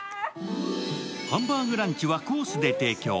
ハンバーグランチはコースで提供。